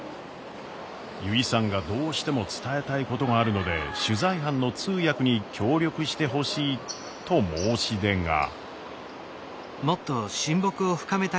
油井さんがどうしても伝えたいことがあるので取材班の通訳に協力してほしいと申し出が。